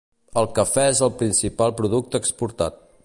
El cafè és el principal producte exportat.